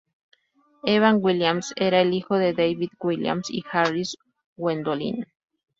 Evan Williams era el hijo de David Williams y Harris Gwendolyn.